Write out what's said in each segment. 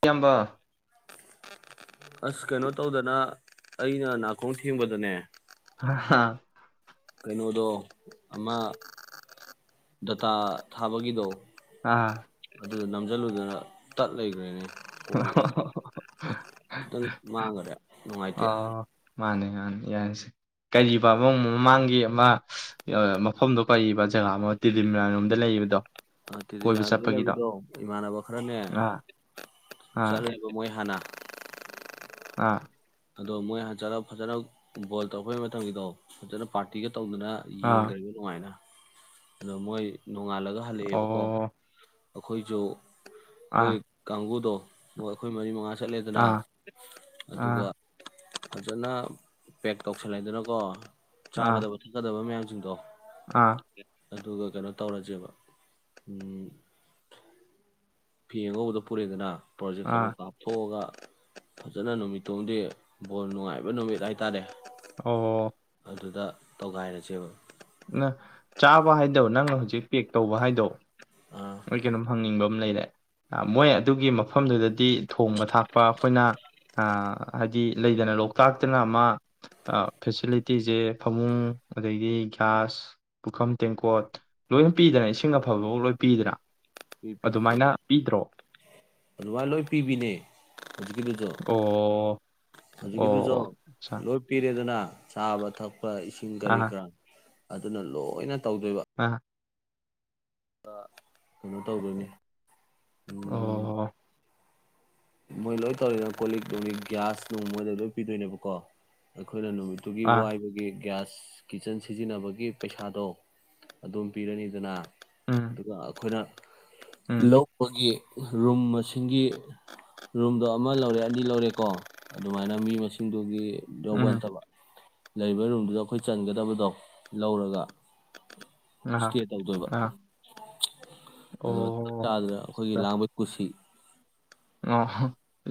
ꯏꯌꯥꯝꯕ ꯑꯁ ꯀꯩꯅꯣ ꯇꯧꯗꯅ ꯑꯩꯅ ꯅꯥꯀꯣꯡ ꯊꯦꯡꯕꯗꯅꯦ ꯍ ꯍꯥ ꯀꯩꯅꯣꯗꯣ ꯑꯃ ꯗꯇꯥ ꯊꯥꯕꯒꯤꯗꯣ ꯑꯥ ꯑꯗꯨꯗ ꯅꯝꯁꯤꯜꯂꯨꯗꯅ ꯇꯠ ꯂꯩꯒ꯭ꯔꯦꯅꯦ ꯀꯣꯜ ꯍ ꯈꯤꯇꯪ ꯃꯥꯡꯉ꯭ꯔꯦ ꯅꯨꯡꯉꯥꯏꯇꯦ ꯑꯣ ꯃꯥꯅꯦ ꯃꯥꯅꯤ ꯌꯥꯔꯁꯦ ꯀꯔꯤꯕ ꯑꯃ ꯃꯃꯥꯡꯒꯤ ꯑꯃ ꯃꯐꯝꯗꯣ ꯄꯔꯤꯕ ꯖꯒꯥ ꯑꯃ ꯇꯤꯂꯤꯝꯔꯥꯔꯣꯝꯗ ꯂꯩꯔꯤꯕꯗꯣ ꯇꯤꯗꯤꯗ ꯂꯩꯕꯤꯗꯣ ꯏꯃꯥꯟꯅꯕ ꯈꯔꯅꯦ ꯑꯥ ꯑꯥ ꯆꯠꯂꯦꯕ ꯃꯣꯏ ꯍꯥꯟꯅ ꯑꯥ ꯑꯗꯣ ꯃꯣꯏ ꯍꯟꯆꯠꯂ ꯐꯖꯅ ꯕꯣꯜ ꯇꯧꯔꯛꯄꯒꯤ ꯃꯇꯝꯗꯣ ꯐꯖꯅ ꯄꯥꯔꯇꯤꯒ ꯇꯧꯗꯨꯅ ꯑꯥ ꯌꯦꯡꯈ꯭ꯔꯤꯕ ꯅꯨꯡꯉꯥꯏꯅ ꯀꯩꯅꯣ ꯃꯣꯏ ꯅꯣꯡꯉꯥꯜꯂꯒ ꯍꯜꯂꯛꯑꯦꯕꯀꯣ ꯑꯣ ꯑꯩꯈꯣꯏꯁꯨ ꯑꯥ ꯍꯣꯏ ꯀꯥꯡꯪꯕꯨꯨꯗ ꯑꯩꯈꯣꯏ ꯃꯔꯤ ꯃꯉꯥ ꯆꯠꯂꯦꯗꯅ ꯑꯥ ꯑꯗꯨꯒ ꯑꯥ ꯐꯖꯅ ꯄꯦꯛ ꯇꯧꯁꯜꯂꯦꯗꯅꯀꯣ ꯑꯥ ꯆꯥꯒꯗꯕ ꯊꯛꯀꯗꯕ ꯃꯌꯥꯝꯁ ꯁꯤꯁꯤꯡꯗꯣ ꯑꯥ ꯑꯗꯨꯒ ꯀꯩꯅꯣ ꯇꯧꯔꯁꯦꯕ ꯐꯤ ꯑꯉꯧꯕꯗ ꯄꯨꯔꯛꯦꯗꯅ ꯄ꯭ꯔꯣꯖꯦꯛꯁ ꯑꯥ ꯑꯗꯣ ꯀꯥꯞꯊꯣꯛꯑꯒ ꯐꯖꯅ ꯅꯨꯃꯤꯠꯇꯣꯡꯗꯤ ꯕꯣꯜ ꯅꯨꯡꯉꯥꯏꯕ ꯅꯨꯃꯤꯠ ꯍꯥꯏꯇꯥꯔꯦ ꯑꯣ ꯑꯗꯨꯗ ꯇꯣꯒꯥꯏꯔꯁꯦꯕ ꯆꯥꯕ ꯍꯥꯏꯗ ꯅꯪꯅ ꯍꯧꯖꯤꯛ ꯄꯦꯛ ꯇꯧꯕ ꯍꯥꯏꯗꯣ ꯑꯥ ꯑꯩꯣꯏ ꯀꯩꯅꯣꯝ ꯍꯪꯅꯤꯡꯕ ꯑꯃ ꯂꯩꯔꯦ ꯃꯣꯏ ꯑꯗꯨꯒꯤ ꯃꯐꯝꯗꯨꯗꯗꯤ ꯊꯣꯡꯕ ꯊꯥꯛꯄ ꯑꯩꯈꯣꯏꯅ ꯍꯥꯏꯗꯤ ꯂꯩꯗꯅ ꯂꯣꯛꯇꯥꯛꯇꯅ ꯑꯃ ꯐꯦꯁꯤꯂꯤꯇꯤꯁꯦ ꯐꯃꯨꯡ ꯑꯗꯒꯤ ꯒ꯭ꯌꯥꯁ ꯄꯨꯈꯝ ꯇꯦꯡꯀꯣꯠ ꯂꯣꯏꯅ ꯄꯤꯗꯅ ꯏꯁꯤꯡ ꯑꯐꯕꯐꯥꯎ ꯂꯣꯏ ꯄꯤꯗ꯭ꯔꯥ ꯄ ꯄ ꯑꯗꯨꯃꯥꯏꯅ ꯂꯣꯏ ꯄꯤꯕꯤꯅꯦ ꯍꯧꯖꯤꯛꯀꯤꯗꯨꯁꯨ ꯑꯣ ꯍꯧꯖꯤꯛꯀꯤꯗꯨꯁꯨ ꯑꯣ ꯑꯆꯥ ꯂꯣꯏ ꯄꯤꯔꯦꯗꯅ ꯁꯥꯕꯊ ꯏꯁꯤꯡ ꯀꯒꯥꯔꯤ ꯑꯥ ꯈ ꯑꯗꯨꯅ ꯂꯣꯏꯅ ꯇꯧꯗꯣꯏꯕ ꯑꯥ ꯀꯩꯅꯣ ꯇꯧꯗꯣꯏꯅꯤ ꯎꯝ ꯑꯣ ꯃꯣꯏ ꯂꯣꯏ ꯇꯧꯔꯤꯅ ꯀꯣꯜ ꯂꯤꯛ ꯅꯨꯡꯒꯤ ꯒ꯭ꯌꯥꯁ ꯅꯨꯡ ꯃꯣꯏꯗ ꯂꯣꯏ ꯄꯤꯗꯣꯏꯅꯦꯕꯀꯣ ꯑꯩꯈꯣꯏꯅ ꯅꯨꯃꯤꯠꯇꯨꯒꯤ ꯑꯥ ꯋꯥꯏꯕꯒꯤ ꯒ꯭ꯌꯥꯁ ꯀꯤꯠꯆꯟ ꯁꯤꯖꯤꯟꯅꯕꯒꯤ ꯄꯩꯁꯥꯗꯣ ꯑꯗꯨꯝ ꯄꯤꯔꯅꯤꯗꯅ ꯎꯝ ꯑꯗꯨꯒ ꯑꯩꯈꯣꯏꯅ ꯎꯝ ꯂꯧꯕꯒꯤ ꯔꯨꯝ ꯃꯁꯤꯡ ꯔꯨꯝꯗꯣ ꯑꯃ ꯂꯧꯔꯦꯑꯅꯤ ꯂꯧꯔꯦꯀꯣ ꯑꯗꯨꯃꯥꯏꯅ ꯃꯤ ꯃꯁꯤꯡꯗꯨꯒꯤ ꯌꯣꯕꯟ ꯎꯝ ꯊꯕ ꯂꯩꯔꯤꯕ ꯔꯨꯝꯗꯨꯗ ꯑꯩꯈꯣꯏ ꯆꯟꯒꯗꯕꯗꯣ ꯂꯧꯔꯒ ꯑꯥ ꯏꯁꯇꯦ ꯇꯧꯗꯣꯏꯕ ꯑꯥ ꯑꯗꯨꯒ ꯆꯞ ꯑꯣ ꯆꯥꯗꯅ ꯑꯩꯈꯣꯏꯒꯤ ꯂꯥꯡꯕꯩ ꯀꯨꯁꯤ ꯑ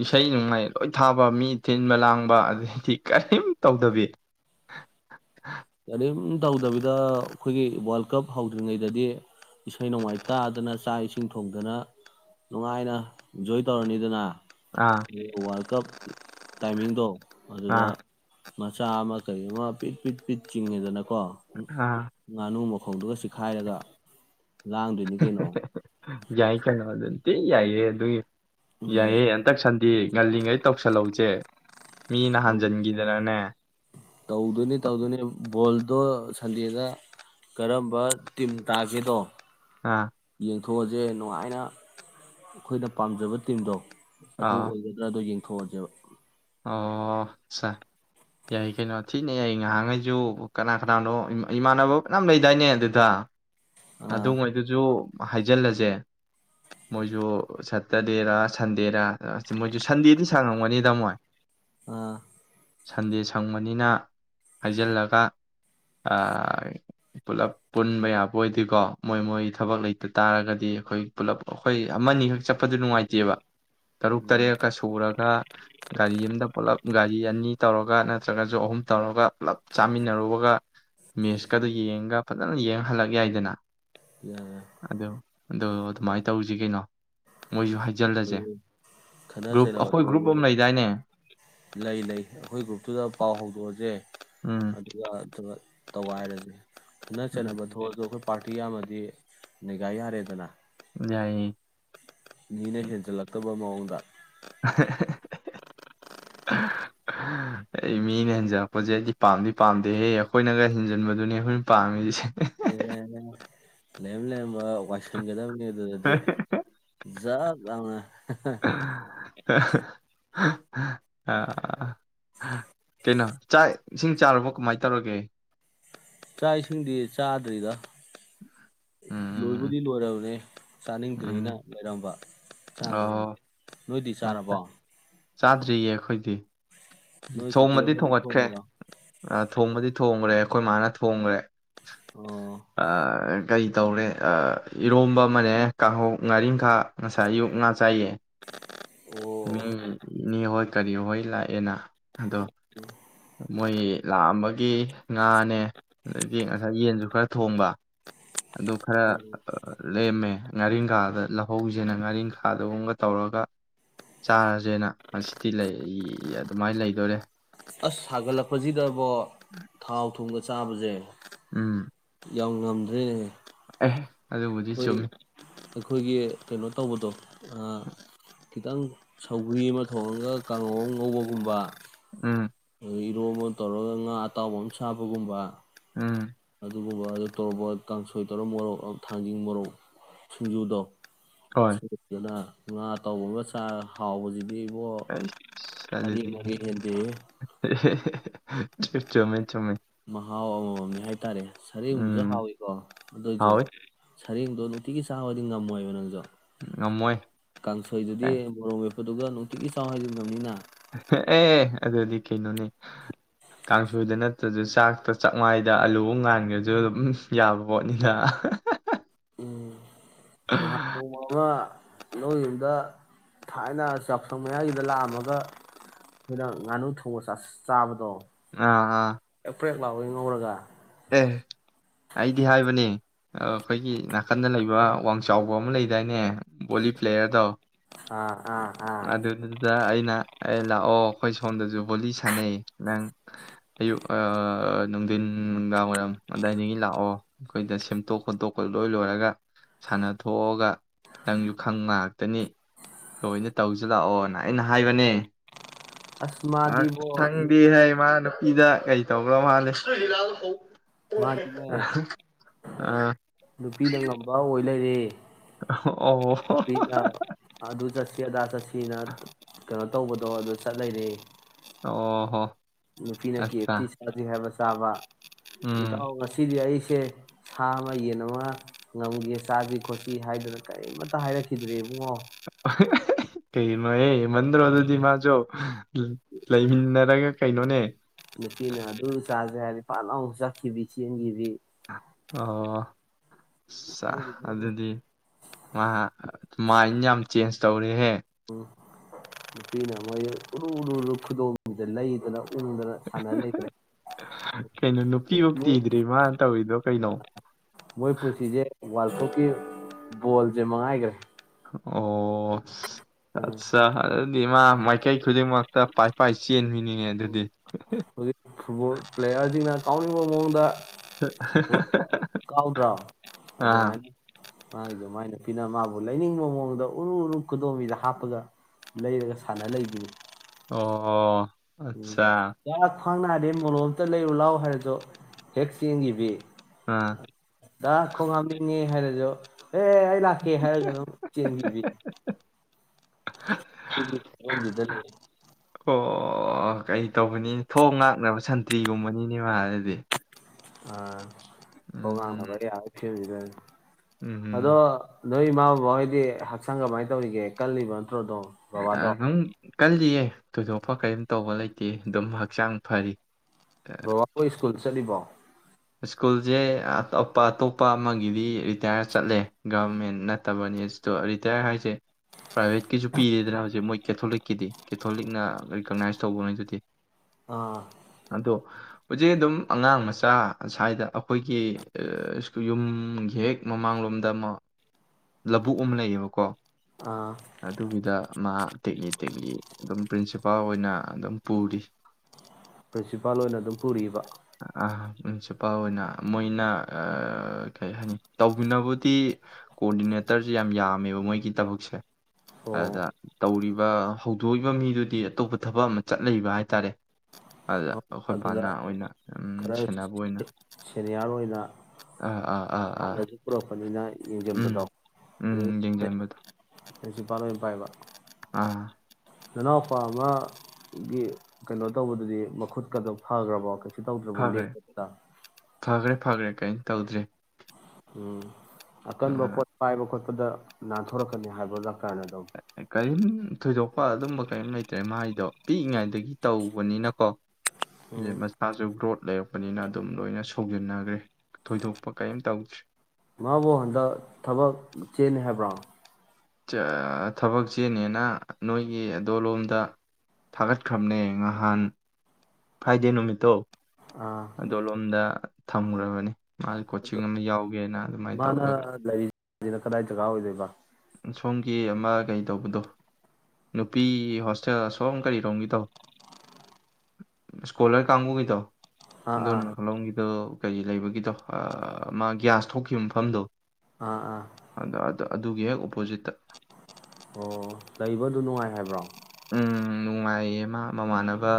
ꯏꯁꯩ ꯅꯅꯨꯡꯃꯥꯏ ꯂꯣꯏ ꯊꯥꯕ ꯃꯤ ꯊꯤꯟꯕ ꯂꯥꯡꯕ ꯑꯗꯨꯩꯗꯤ ꯀꯔꯤꯝ ꯇꯧꯗꯕꯤ ꯀꯔꯤꯝ ꯇꯧꯗꯕꯤꯗ ꯑꯩꯈꯣꯏꯒꯤ ꯋꯥꯔꯜ ꯀꯞ ꯍꯧꯗ꯭ꯔꯤꯉꯩꯗꯗꯤ ꯏꯁꯩ ꯅꯣꯡꯃꯥꯏ ꯇꯥꯗꯅ ꯆꯥꯛ ꯏꯁꯤꯡ ꯊꯣꯡꯗꯅ ꯅꯨꯡꯉꯥꯏꯅ ꯏꯟꯖꯣꯏ ꯇꯧꯔꯅꯤꯗꯅ ꯑꯥ ꯑ ꯄꯤꯀꯞ ꯇꯥꯏꯃꯤꯡꯗꯣ ꯑꯗꯨꯗꯨꯗ ꯑꯥ ꯃꯆꯥꯃ ꯀꯩ ꯄ ꯄꯤ ꯆꯤꯡꯅꯦꯗꯅ ꯀ ꯑꯥ ꯃꯅꯨ ꯃ ꯧꯗꯨꯒ ꯆꯤꯈꯥꯏꯔꯒ ꯌꯥꯏ ꯀ ꯉꯗꯅꯤ ꯀ ꯌꯥꯏꯌꯦ ꯑꯗꯨꯏ ꯎꯝ ꯌꯥꯏꯌꯦꯦ ꯍꯟꯇꯛ ꯁꯟꯗꯤ ꯉꯜꯂꯤꯉꯩ ꯇꯧꯁꯜꯍꯧꯁꯦ ꯃꯤ ꯅ ꯍꯥꯟꯖꯤꯟꯈꯤꯗꯅꯅꯦ ꯇꯧꯗꯅꯅꯤ ꯇꯧꯗꯅꯅꯤꯣ ꯑꯗꯣ ꯁꯟꯗꯦꯗ ꯀꯔꯝꯕ ꯇꯤꯝ ꯇꯥꯒꯦꯗꯣ ꯑꯥ ꯌꯦꯦꯡꯊꯣꯛꯑꯁꯦ ꯅꯨꯡꯉꯥꯏꯅ ꯑꯩꯈꯣꯏꯅ ꯄꯥꯝꯖꯕ ꯇꯤꯝꯗꯣ ꯑꯗꯨ ꯑꯥ ꯑꯣꯏꯒꯗ꯭ꯔꯥ ꯑꯗꯣ ꯌꯦꯡ ꯊꯣꯖ ꯑꯣ ꯁꯥꯔ ꯌꯥꯏ ꯀꯩꯅꯣ ꯊꯤꯅ ꯌꯥꯏ ꯉꯥꯏꯍꯥꯛꯈꯩꯁꯨ ꯀꯅꯥ ꯀꯅꯥꯅꯣ ꯏꯃꯥꯟꯅꯕ ꯃꯅꯌꯥꯝ ꯂꯩꯗꯥꯏꯅꯦ ꯑꯗꯨꯗ ꯑꯗꯨ ꯑꯥ ꯃꯣꯏꯗꯨꯁꯨ ꯍꯥꯏꯖꯤꯜꯂꯁꯦ ꯃꯣꯏꯁꯨ ꯁꯇꯔꯗꯦꯔꯥ ꯁꯟꯗꯦꯔ ꯑꯁꯤ ꯃꯣꯏꯁꯨ ꯁꯟꯗꯦꯗꯤ ꯁꯥꯡꯉꯝꯒꯅꯤ ꯇꯥꯃꯣꯏ ꯑ ꯁꯟꯗꯦ ꯁꯪꯕꯅꯤꯅ ꯍꯥꯏꯖꯤꯜꯂꯒ ꯄꯨꯂꯞ ꯄꯨꯟꯕ ꯌꯥꯕ ꯑꯣꯏꯗꯀꯣ ꯃꯣꯏ ꯃꯣꯏ ꯊꯕꯛ ꯂꯩꯇ ꯇꯥꯔꯒꯗꯤ ꯑꯩꯈꯣꯏ ꯄꯨꯂꯞ ꯑꯩꯈꯣꯏ ꯑꯃꯅꯤ ꯑꯈꯛ ꯆꯠꯄꯗꯨ ꯅꯨꯡꯉꯥꯏꯇꯦꯕ ꯇꯔꯨꯛ ꯎꯝ ꯇꯔꯦꯠꯀ ꯁꯨꯔꯒ ꯒꯥꯔꯤ ꯑꯝꯗ ꯄꯨꯂꯞ ꯒꯥꯔꯤ ꯑꯅꯤ ꯇꯧꯔꯒ ꯅꯠꯇ꯭ꯔꯒꯁꯨ ꯑꯍꯨꯝ ꯇꯧꯔꯒ ꯄꯨꯂꯞ ꯆꯥꯃꯤꯟꯅꯔꯨꯕꯒ ꯃꯦꯁꯀꯗꯨꯣ ꯌꯦꯡꯉꯒ ꯐꯖꯅ ꯌꯦꯡ ꯍꯜꯂꯛ ꯌꯥꯏꯗꯅ ꯌꯥꯏ ꯌꯥꯏ ꯑ ꯑꯗꯣ ꯑꯗꯨꯃꯥꯏꯅ ꯇꯧꯁꯤ ꯀꯩꯅꯣ ꯃꯣꯏꯁꯨ ꯍꯥꯏ ꯜ ꯑꯁꯦ ꯑꯩ ꯈꯠꯅ ꯒ꯭ꯔꯨꯞ ꯆꯩꯅꯕ ꯑꯩꯈꯣꯏ ꯒ꯭ꯔꯨꯞ ꯊꯣꯛꯑꯁꯨ ꯑꯃ ꯂꯩꯇꯦ ꯂꯩ ꯂꯩ ꯑꯩꯈꯣꯏ ꯒ꯭ꯔꯨꯞꯇꯨꯗ ꯄꯥꯎ ꯍꯧꯗꯣꯛꯑꯁꯦ ꯎꯝ ꯑꯗꯨꯒ ꯇꯧꯋꯥꯏꯔꯒꯦ ꯑꯗꯨꯅ ꯆꯩꯠꯅꯕ ꯎꯝ ꯊꯣꯛꯑꯁꯨ ꯑꯩꯈꯣꯏ ꯄꯔ ꯑꯇꯤ ꯑꯃꯗꯤ ꯅꯤꯒꯥ ꯌꯥꯔꯦꯗꯅ ꯌꯥꯏ ꯃꯤꯅ ꯍꯦ ꯖꯥ ꯂꯥꯛ ꯇꯨꯝ ꯃꯑꯣꯡꯗ ꯑꯩ ꯃꯤꯅ ꯍꯦꯟꯖꯜꯂꯛꯄꯁꯦ ꯑꯩꯗꯤ ꯄꯥꯝꯗꯤ ꯄꯥꯝꯗꯦꯍꯦ ꯑꯩꯈꯣꯏꯅꯒ ꯍꯦꯟꯖꯤꯟꯕꯗꯨꯅꯤ ꯑꯩꯈꯣꯏꯅ ꯄꯥꯝꯃꯤꯁꯦ ꯂꯩꯔꯛ ꯂꯩꯔꯝꯕꯥ ꯋꯥꯏꯁꯤꯟꯒꯗꯕꯅꯤ ꯑꯗꯨꯗꯗꯤ ꯖꯄ ꯂꯥꯑꯣꯅꯥ [inaudible] ꯀꯩꯅꯣ ꯆꯥꯛ ꯏꯁꯤꯡ ꯆꯥꯔꯨꯔꯕ ꯀꯃꯥꯏ ꯇꯧꯔꯒꯦ ꯆꯥꯛ ꯏꯁꯤꯡꯗꯤ ꯆꯥꯗ꯭ꯔꯤꯗ ꯎꯝ ꯂꯣꯏꯕꯨꯗꯤ ꯂꯣꯏꯔꯕꯅꯦ ꯆꯥꯅꯤꯡꯗ꯭ꯔꯤꯅ ꯎꯝ ꯂꯩꯔꯝꯕ ꯆꯥꯗ ꯑꯣ ꯅꯣꯏꯗꯤ ꯑꯠꯆꯥ ꯆꯥꯔꯕꯣ ꯆꯥꯗ꯭ꯔꯤꯌꯦ ꯑꯩꯈꯣꯏꯗꯤ ꯅꯣꯏ ꯆꯦꯆꯦ ꯊꯣꯡꯃꯗꯤ ꯍꯣꯏꯅ ꯊꯣꯡꯒꯠꯈ꯭ꯔꯦ ꯊꯣꯡꯉꯤꯔꯣ ꯑ ꯊꯣꯡꯃꯗꯤ ꯊꯣꯡꯈ꯭ꯔꯦ ꯑꯩꯈꯣꯏ ꯃꯥꯅ ꯊꯣꯡꯈ꯭ꯔꯦ ꯑꯣ ꯑꯥ ꯀꯩ ꯇꯧꯔꯦ ꯏꯔꯣꯝꯕ ꯑꯃꯅꯦ ꯀꯥꯡꯍꯧ ꯉꯥꯔꯤꯈꯥ ꯉꯁꯥꯏ ꯑꯌꯨꯛ ꯉꯥ ꯆꯥꯏꯌꯦ ꯑ ꯑꯣ [unintelligible] ꯅꯤ ꯍꯣꯏ ꯀꯔꯤ ꯍꯣꯏ ꯂꯥꯛꯑꯦꯅ ꯑꯗꯣ ꯃꯣꯏ ꯂꯥꯛꯑꯝꯕꯒꯤ ꯉꯥꯅꯦ ꯑꯗꯒꯤ ꯉꯁꯥꯏ ꯌꯦꯟꯁꯨ ꯈꯔ ꯊꯣꯡꯕ ꯑꯗꯨ ꯈꯔ ꯎꯝ ꯂꯦꯝꯃꯦ ꯉꯥꯔꯤꯡꯈꯥꯗ ꯂꯧꯍꯧꯁꯦꯅ ꯉꯥꯔꯤꯡꯈꯥꯗꯒꯨꯝꯒ ꯇꯧꯔꯒ ꯆꯥꯔꯁꯦꯅ ꯃꯁꯤꯇꯤ ꯑꯗꯨꯃꯥꯏꯅ ꯂꯩꯗꯣꯔꯦ ꯑꯁ ꯁꯥꯒꯠꯂꯛꯄꯁꯤꯗꯐꯣ ꯊꯥꯎ ꯊꯨꯝꯒ ꯆꯥꯕꯁꯦ ꯎꯝ ꯌꯎ ꯉꯝꯗ꯭ꯔꯔꯤꯅꯦ ꯑꯦ ꯑꯗꯨꯕꯨꯗꯤ ꯍꯣꯏ ꯆꯨꯝꯃꯤ ꯑꯩꯈꯣꯏꯒꯤ ꯀꯩꯅꯣ ꯇꯧꯕꯗꯣ ꯑꯥ ꯈꯤꯇꯡ ꯁꯧꯒ꯭ꯔꯤ ꯑꯃ ꯊꯣꯡꯉꯒ ꯀꯥꯡꯉꯧ ꯉꯧꯕꯒꯨꯝꯕ ꯎꯝ ꯏꯔꯣ ꯑꯃ ꯇꯧꯔꯒ ꯉꯥ ꯑꯇꯥꯎꯕ ꯑꯃ ꯁꯥꯕꯒꯨꯝꯕ ꯎꯝ ꯑꯗꯨ ꯑꯗꯨꯒꯕ ꯑꯗꯨꯗ ꯇꯧꯔꯛꯄ ꯀꯥꯡꯁꯣꯏ ꯇꯔꯨ ꯃꯣꯔꯣꯛ ꯊꯥꯡꯖꯤꯡ ꯃꯣꯔꯣꯛ ꯁꯤꯡꯖꯨꯗꯣ ꯍꯣꯏ ꯁꯨꯔꯠ ꯀꯦꯅꯥ ꯉꯥ ꯑꯇꯥꯑꯣꯕ ꯑꯃ ꯆꯥꯔ ꯍꯥꯎꯕꯁꯤꯗꯤ ꯄꯣ ꯑꯩꯁ ꯁꯔꯦꯡ ꯅꯥꯄꯤ ꯍꯦꯟꯗꯦꯍꯦ ꯆ ꯆꯣꯃꯦ ꯃꯍꯥꯎ ꯑꯃꯃꯝꯅꯦ ꯍꯥꯏꯇꯥꯔꯦ ꯁꯔꯦꯡꯁꯨ ꯎꯝ ꯍꯥꯎꯋꯤꯀꯣ ꯑꯗꯨꯏꯁꯨ ꯍꯥꯎꯋꯤ ꯁꯔꯦꯡꯗꯣ ꯅꯨꯡꯇꯤꯒꯤ ꯆꯥꯕꯗꯤ ꯉꯝꯃꯣꯏꯕ ꯅꯪꯗꯣ ꯉꯝꯃꯣꯏ ꯀꯥꯟꯁꯣꯏ ꯑꯗꯨꯗꯤ ꯀꯥꯏ ꯃꯣꯔꯝ ꯑꯗꯨꯗꯨꯒ ꯅꯨꯡꯇꯤꯒꯤ ꯁꯥꯎ ꯍꯥꯏꯕꯤꯕꯅꯤꯅ ꯑꯦ ꯑꯗꯨꯗꯤ ꯀꯩꯅꯣꯅꯤ ꯀꯥꯡꯁꯣꯏꯗ ꯅꯠꯇ꯭ꯔꯁꯨ ꯆꯥꯛꯇ ꯆꯥꯛꯋꯥꯥꯏꯗ ꯑꯂꯨꯕꯨ ꯉꯥꯟꯈ꯭ꯔꯁꯨ ꯑꯗꯨꯝ ꯌꯥꯕ ꯄꯣꯠꯅꯤꯅ ꯅꯍ ꯂꯧꯣꯏ ꯌꯨꯝꯗ ꯊꯥꯏꯅ ꯆꯥꯛꯊꯪ ꯃꯌꯥꯏꯒꯤꯗ ꯂꯥꯛꯑꯝꯃꯒ ꯑꯩꯈꯣꯏꯅ ꯉꯥꯅꯨ ꯊꯧꯕ ꯆꯥꯕꯗꯣ ꯑꯥ ꯑꯥ ꯂꯥꯎꯑꯣꯏ ꯉꯧꯔꯒ ꯑꯦ ꯑꯩꯗꯤ ꯍꯥꯏꯕꯅꯦ ꯑꯩꯈꯣꯏꯒꯤ ꯅꯥꯀꯟꯗ ꯂꯩꯕ ꯋꯥꯡ ꯆꯥꯎꯕ ꯑꯃ ꯂꯩꯗꯥꯏꯅꯦ ꯕꯣꯂꯤ ꯄ꯭ꯂꯦꯌꯔꯗꯣ ꯑꯥ ꯑꯥ ꯑꯥ ꯑꯗꯨ ꯑꯩ ꯂꯥꯛꯑꯣ ꯑꯩꯈꯣꯏ ꯁꯣꯝꯗꯁꯨ ꯍꯕꯣꯂꯤ ꯁꯥꯟꯅꯩ ꯅꯪ ꯑꯌꯨꯛ ꯅꯨꯡꯊꯤꯟ ꯅꯨꯡꯗꯥꯡ ꯋꯥꯏꯔꯝ ꯑꯗꯨꯗꯥꯏꯗꯒꯤ ꯂꯥꯛꯑꯣ ꯑꯩꯈꯣꯏꯗ ꯁꯦꯝꯇꯣꯛ ꯈꯣꯠꯇꯣꯛꯄ ꯂꯣꯏ ꯂꯣꯏꯔꯒ ꯁꯥꯟꯅꯊꯣꯛꯑꯒ ꯅꯪꯁꯨ ꯈꯪ ꯉꯥꯏꯥꯛꯇꯅꯤ ꯂꯣꯏꯅ ꯇꯧꯁꯤ ꯂꯥꯛꯑꯣꯅ ꯑꯩꯅ ꯍꯥꯏꯕꯅꯦ ꯑꯁ ꯃꯥꯗꯤꯕꯣ ꯁꯪꯗꯤ ꯅꯨꯄꯤ ꯍꯥꯏ ꯃꯥꯅ ꯏꯗ ꯀꯔꯤ ꯇꯧꯕ꯭ꯔꯣ ꯃꯥꯅꯤ ꯃꯥꯗꯤꯅꯦ ꯑ ꯅꯨꯄꯤꯗ ꯉꯝꯕ ꯑꯣꯏ ꯄ꯭ꯂꯔꯤ ꯑꯣ ꯄꯤ ꯑ ꯑꯗꯨ ꯆ ꯆꯠꯁꯤ ꯑꯗꯥ ꯆꯠꯁꯤꯅ ꯀꯩꯅꯣ ꯇꯧꯕꯗꯣ ꯑꯗꯨ ꯆꯠꯂꯔ ꯑꯣ ꯍꯣ ꯅꯨꯄꯤꯅ ꯀ ꯑꯠꯆꯥ ꯐꯤ ꯁꯥꯗꯤ ꯍꯥꯏꯕꯁ ꯇꯥꯕ ꯏꯇ ꯎꯝ ꯉꯁꯤꯗꯤ ꯌꯥꯏ ꯁꯤ ꯁꯦ ꯁꯥ ꯑꯃ ꯌꯦꯟ ꯑꯃ ꯉꯝꯒꯦ ꯆꯥꯁꯤ ꯈꯣꯠꯁꯤ ꯍꯥꯏꯗꯅ ꯀꯔꯤꯝꯃꯇ ꯍꯥꯏꯔꯛꯈꯤꯗ꯭ꯔꯦꯕ ꯑꯣ ꯀꯩ ꯑꯦ ꯃꯟ꯭ꯔꯣ ꯑꯗꯨꯗꯤ ꯃꯥꯖꯣ ꯂꯩꯃꯤꯟꯅꯔꯒ ꯀꯩꯅꯣꯅꯦ ꯅꯠꯇꯤꯅꯦ ꯑꯗꯨ ꯆꯥꯖꯦ ꯍꯥꯏ ꯄꯥꯜ ꯂꯥꯎ ꯆꯠꯈꯤꯕ ꯆꯦꯟꯕꯤ ꯑꯣ ꯈꯪꯗꯦ ꯈꯪꯗꯦ ꯑꯗꯨꯗꯤ ꯃꯍꯥꯛ ꯃꯥꯏꯟ ꯌꯥꯝ ꯆꯦꯟꯖ ꯇꯧꯔꯤꯍꯦ ꯎꯝ ꯅꯨꯅ ꯃꯣꯏꯨꯨ ꯈꯨꯗꯣꯡꯁꯦ ꯂꯩꯗꯅ ꯎꯨꯝꯗꯅ ꯁꯥꯟꯅ ꯀꯩꯅꯣ ꯅꯨꯄꯤꯕꯨꯛ ꯂꯩꯈ꯭ꯔꯦꯣꯏ ꯊꯤꯗ꯭ꯔꯤ ꯃꯥꯅ ꯇꯧꯔꯤꯗꯣ ꯀꯩꯅꯣ ꯃꯣꯏ ꯄꯨꯟꯁꯤꯁꯦ ꯋꯥꯔꯜ ꯀꯞꯀꯤ ꯕꯣꯜꯁꯦ ꯃꯉꯥꯏꯈ꯭ꯔꯦ ꯑꯣ ꯑ ꯑꯠꯆꯥ ꯃ ꯃꯥꯏꯀꯩ ꯈꯖꯤ ꯃꯛꯇ ꯄꯥꯏ ꯄꯥꯏ ꯆꯦꯟ ꯃꯤꯅꯤꯉꯦ ꯑꯗꯨꯗꯤ ꯐꯨꯠꯕꯣꯜ ꯄ꯭ꯂꯦꯌꯔꯁꯤꯅ ꯇꯥꯎꯅꯤꯡꯕ ꯃꯑꯣꯡꯗ ꯄꯣ ꯀꯥꯎꯗ꯭ꯔꯥ ꯑꯥ ꯑꯗꯨꯃꯥꯏꯅ ꯃꯥꯒꯤꯁꯨꯃꯥꯏꯅ ꯐꯅ ꯃꯥꯕꯨ ꯂꯩꯅꯤꯡꯕ ꯃꯑꯣꯡꯗ ꯎꯔꯨ ꯎꯔꯨ ꯈꯨꯗꯣꯝꯕꯤꯗ ꯍꯥꯞꯄꯒ ꯂꯩꯔꯒ ꯁꯥꯟꯅ ꯂꯩꯗꯨꯅꯤ ꯑꯣ ꯑꯠꯆꯥ ꯈ꯭ꯋꯥꯥꯡ ꯅꯥꯗꯩ ꯃꯣꯂꯣꯝꯇ ꯂꯩꯔ ꯂꯥꯎ ꯍꯥꯏꯔꯗꯨꯣ ꯍꯦꯛ ꯆꯦꯟꯈꯤꯕ ꯑꯥ ꯌꯥꯈꯣꯣꯡ ꯍꯥꯏꯔꯖꯣ ꯑꯦ ꯑꯩ ꯂꯥꯛꯀꯦ ꯍꯥꯏꯔꯒ ꯑꯗꯨꯝ ꯆꯦꯟꯕꯤ ꯁꯤꯒꯤ ꯌꯗꯗ ꯂꯩꯦ ꯑꯣ ꯀꯩ ꯇꯧꯕꯅꯤ ꯊꯣꯡ ꯉꯥꯛꯅꯕ ꯁꯟꯇ꯭ꯔꯤꯒꯨꯝꯕꯅꯤꯅꯦ ꯃꯥ ꯑꯗꯨꯗꯤ ꯑꯝ ꯍꯉ ꯎꯝ ꯔꯤꯦ ꯍꯥꯏꯁꯦꯗ ꯑꯗꯣ ꯎꯝ ꯅꯣꯏ ꯏꯃꯥ ꯕꯕꯥꯈꯩꯗꯤ ꯍꯛꯆꯥꯡ ꯀꯃꯥꯏꯅ ꯇꯧꯔꯤꯒꯦ ꯀꯜꯂꯤꯕꯅꯣ ꯄꯇ꯭ꯔꯗ ꯕꯥꯗ ꯑꯗꯨꯝ ꯀꯜꯂꯤꯌꯦ ꯊꯣꯏꯗꯣꯛꯄ ꯀꯔꯤꯝ ꯇꯧꯕ ꯂꯩꯇꯦ ꯑꯗꯨꯝ ꯍꯛꯆꯥꯡ ꯐꯔꯤ ꯕꯕꯥꯕꯨ ꯁ ꯏꯁꯀꯨ ꯆꯠꯕ ꯁ꯭ꯀꯨꯜꯁꯦ ꯑꯇꯣꯞꯄ ꯑꯇꯣꯞꯄ ꯑꯃꯒꯤꯗꯤ ꯔꯤꯇꯥꯌꯔ ꯆꯠꯂꯦ ꯒꯚꯔꯃꯦꯟ ꯅꯠꯇꯕꯅꯤ ꯔꯤꯇꯥꯌꯔ ꯍꯥꯏꯁꯦ ꯄ꯭ꯔꯥꯏꯚꯦꯠꯀꯤꯁꯨ ꯄꯤꯔꯦꯗꯅꯥ ꯍꯧꯖꯤꯛ ꯃꯣꯏ ꯀꯦꯊꯣꯂꯤꯛꯀꯤꯗꯤ ꯀꯦꯊꯣꯂꯤꯛꯅ ꯔꯤꯀꯛꯅꯥꯏꯁ ꯇꯧꯕꯅꯤꯗꯨꯗꯤ ꯑꯥ ꯍꯧꯖꯤꯛ ꯑꯗꯨꯝ ꯑꯉꯥꯡ ꯃꯆꯥ ꯁꯁ꯭ꯋꯥꯏꯗ ꯑꯩꯈꯣꯏꯒꯤ ꯌꯨꯝꯒꯤ ꯍꯦꯛ ꯃꯃꯥꯡꯂꯣꯝꯗ ꯑꯃ ꯂꯧꯕꯨꯛ ꯑꯃ ꯂꯩꯌꯦꯕꯀꯣ ꯑꯥ ꯑꯗꯨꯒꯤꯗ ꯃꯥ ꯇꯦꯛꯂꯤ ꯇꯦꯛꯂꯤ ꯑꯗꯨꯝ ꯄ꯭ꯔꯤꯟꯁꯤꯄꯥꯜ ꯑꯣꯏꯅ ꯑꯗꯨꯝ ꯄꯨꯔꯤ ꯄ꯭ꯔꯤꯟꯁꯤꯄꯥꯜ ꯑꯣꯏꯅ ꯑꯗꯨꯝ ꯄꯨꯔꯤꯕ ꯃ꯭ꯔꯤꯟꯁꯤꯄꯥꯜ ꯑꯣꯏꯅ ꯃꯣꯏꯅ ꯀꯩ ꯍꯥꯏꯅꯤ ꯇꯧꯕꯤꯅꯕꯕꯨꯗꯤ ꯀꯣꯑꯣꯗꯤꯅꯦꯇꯔꯁꯦ ꯌꯥꯝ ꯌꯥꯝꯃꯦꯕ ꯃꯣꯏꯒꯤ ꯊꯕꯛꯁꯦ ꯑꯣ ꯑꯗ ꯇꯧꯔꯤꯕ ꯍꯧꯗꯣꯛꯏꯕ ꯃꯤꯗꯨꯗꯤ ꯑꯇꯣꯞꯄ ꯊꯕꯛ ꯑꯃ ꯆꯠ ꯂꯩꯕ ꯍꯥꯏꯇꯥꯔꯦ ꯑꯗ ꯑꯗꯨꯗ ꯑꯩꯈꯣꯏꯄꯥꯅ ꯑꯣꯏꯅ ꯎꯝ ꯈꯔ ꯁꯦꯟꯅꯕ ꯑꯣꯏꯅ ꯁꯦꯅꯤꯌꯥꯔ ꯑꯣꯏꯅ ꯑꯥ ꯑꯥ ꯑꯥ ꯑꯥ ꯍꯥꯟꯅꯁꯨ ꯄꯨꯔꯛꯄꯅꯤꯅ ꯎꯝ ꯌꯦꯝꯕꯗꯣ ꯑꯗꯨ ꯎꯝ ꯌꯦꯡꯁꯤꯟꯕꯗꯣ ꯑꯩꯁꯤ ꯄꯥꯣꯏ ꯄꯥꯏꯕ ꯑꯥ ꯅꯅꯥꯎꯄꯥ ꯑꯃꯒꯤ ꯀꯩꯅꯣ ꯇꯧꯕꯗꯨꯗꯤ ꯃꯈꯨꯠꯀꯛꯇ ꯐꯈ꯭ꯔꯕꯣ ꯁꯤꯇ ꯎꯗ꯭ꯔꯕꯣ ꯂꯦ ꯐꯈ꯭ꯔꯦ ꯐꯈ꯭ꯔꯦ ꯐꯈ꯭ꯔꯦ ꯀꯩꯅꯩꯅ ꯇꯧꯗ꯭ꯦ ꯎꯝ ꯑꯀꯟꯕ ꯄꯣꯠ ꯄꯥꯏꯕ ꯈꯣꯠꯄ ꯗ ꯅꯥꯟꯊꯣꯔꯛꯀꯅꯤ ꯍꯥꯏꯕ ꯂ ꯀꯥꯏ ꯊꯣꯏꯗꯣꯛꯄ ꯑꯗꯨꯝꯕ ꯀꯔꯤꯝ ꯂꯩꯇ꯭ꯔꯦ ꯃꯥꯒꯤꯗꯣ ꯄꯤꯛꯏꯉꯥꯏꯗꯒꯤ ꯇꯧꯕꯅꯤꯅꯀꯣ ꯃꯁ ꯁꯥꯥꯖꯗ꯭ꯔꯣ ꯂꯩꯔꯛꯄꯅꯤꯅ ꯑꯗꯨꯝ ꯂꯣꯏꯅ ꯁꯧꯖꯤꯟꯅꯈ꯭ꯔꯦ ꯊꯣꯏꯗꯣꯛꯄ ꯀꯔꯤꯝ ꯇꯧꯗ꯭ꯔꯤ ꯃꯥꯕꯨ ꯍꯟꯗꯛ ꯊꯕꯛ ꯆꯦꯅꯤ ꯍꯥꯏꯕ꯭ꯔꯥ ꯊꯕꯛꯁꯦꯅꯦꯅ ꯅꯣꯏꯒꯤ ꯑꯗꯣꯂꯣꯝꯗ ꯊꯥꯒꯠꯈ꯭ꯔꯕꯅꯦ ꯉꯍꯥꯟ ꯐ꯭ꯔꯥꯏꯗꯦ ꯅꯨꯃꯤꯠꯇꯣ ꯑꯥ ꯑꯗꯣꯂꯣꯝꯗ ꯊꯝꯈ꯭ꯔꯕꯅꯦ ꯃꯥꯒꯤ ꯀꯣꯆꯤꯡ ꯑꯃ ꯌꯥꯎꯒꯦꯅ ꯑꯗꯨꯃꯥꯏꯅ ꯇꯧꯔꯒ ꯑꯗꯨꯅ ꯀꯗꯥꯏ ꯖꯒꯥ ꯑꯣꯏꯗꯣꯏꯕ ꯁꯣꯝꯒꯤ ꯑꯃ ꯀꯩ ꯇꯧꯕꯗꯣ ꯅꯨꯄꯤ ꯍꯣꯁꯇꯦꯜ ꯑꯁꯣꯝ ꯀꯔꯤꯔꯣꯝꯒꯤ ꯇꯧ ꯏꯁꯀꯣꯂꯔ ꯀꯥꯡꯕꯨꯒꯤꯗꯣ ꯑꯥ ꯗꯣ ꯑꯥ ꯍꯂꯣꯡꯒꯤꯗꯣ ꯀꯔꯤ ꯂꯩꯕꯒꯤꯗꯣ ꯃꯥ ꯒ꯭ꯌꯥꯁ ꯊꯣꯛꯈꯤꯕ ꯃꯐꯝꯗꯣ ꯑꯥ ꯑꯥ ꯑꯗ ꯑꯗ- ꯑꯗꯨꯒꯤ ꯍꯦꯛ ꯑꯣꯄꯣꯖꯤꯠꯇ ꯑꯣ ꯂꯩꯕꯗꯨ ꯅꯨꯡꯉꯥꯏ ꯍꯥꯏꯕ꯭ꯔꯣ ꯎꯝ ꯅꯨꯡꯉꯥꯏꯌꯦ ꯃꯥ ꯃꯃꯥꯟꯅꯕ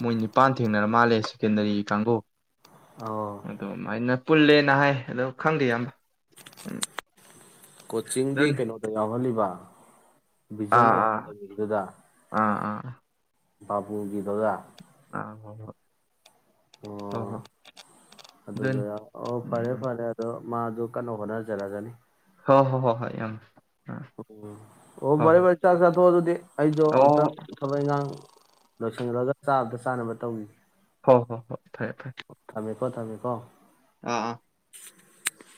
ꯃꯣꯏ ꯅꯤꯄꯥꯟ ꯊꯦꯡꯅꯔ ꯃꯥꯜꯂꯦ ꯁꯦꯀꯦꯟꯗꯔꯤ ꯀꯥꯡꯕꯨ ꯑꯣ ꯑꯗꯥꯏꯩꯅ ꯄꯨꯜꯂꯦꯅ ꯍꯥꯏ ꯑꯗꯣ ꯈꯪꯗꯦ ꯑꯃ ꯎꯝ ꯀꯣꯆꯤꯡꯗꯤ ꯑꯗꯨꯅꯤ ꯀꯩꯅꯣꯗ ꯌꯥꯎꯍꯜꯂꯤꯕ [inaudible] ꯕꯤꯖꯟ ꯑꯦꯗ ꯔꯖꯗꯥ ꯑ ꯕꯥꯕꯨꯒꯤ ꯗꯖ ꯑ ꯍ ꯍ ꯑꯣ ꯑꯗꯨꯗ ꯑꯗꯨꯅꯤ ꯑꯣ ꯐꯔꯦ ꯎꯝ ꯐꯔꯦ ꯑꯗꯣ ꯃꯥꯗꯨ ꯀꯟꯅ ꯍꯣꯠꯅꯖꯔꯒꯅꯤ ꯍꯣꯏ ꯍꯣꯏ ꯍꯣꯏ ꯍꯣꯏ ꯌꯥꯝ ꯎ ꯑꯣ ꯔꯦ ꯔꯦ ꯆꯥꯛ ꯆꯥꯊꯣꯛꯑ ꯑꯗꯨꯗꯤ ꯑꯩꯗꯣ ꯑꯝꯛꯇꯪ ꯑꯣ ꯊꯕꯛ ꯏꯪꯈꯥꯡ ꯂꯣꯏꯁꯟꯈ꯭ꯔꯒ ꯆꯥꯕꯗ ꯆꯥꯅꯕ ꯇꯧꯏ ꯍꯣꯏ ꯍꯣꯏ ꯐꯥꯏꯌꯦ ꯐꯥꯏ ꯀꯣ ꯇꯥꯃꯦꯀꯣ ꯑꯥ ꯑꯥ [unintelligible]